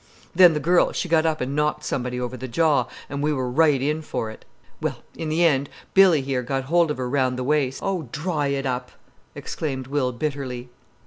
Then the girl she got up and knocked somebody over the jaw, and we were right in for it. Well, in the end, Billy here got hold of her round the waist——" "Oh, dry it up!" exclaimed Will bitterly.